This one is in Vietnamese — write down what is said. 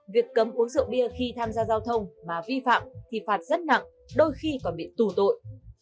việc cấm uống rượu bia khi tham gia giao thông mà vi phạm thì phạt rất nặng đôi khi còn bị tù tội